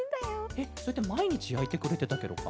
えっそれってまいにちやいてくれてたケロか？